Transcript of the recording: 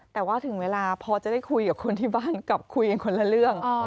แต่ว่าถึงเวลาพอจะได้คุยกับคนที่บ้านกลับคุยกันคนละเรื่อง